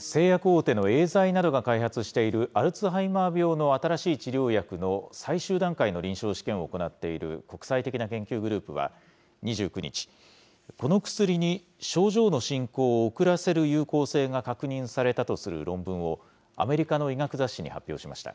製薬大手のエーザイなどが開発している、アルツハイマー病の新しい治療薬の最終段階の臨床試験を行っている国際的な研究グループは２９日、この薬に症状の進行を遅らせる有効性が確認されたとする論文を、アメリカの医学雑誌に発表しました。